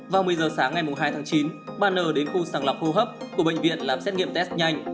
vào một mươi giờ sáng ngày hai tháng chín bà n đến khu sàng lọc hô hấp của bệnh viện làm xét nghiệm test nhanh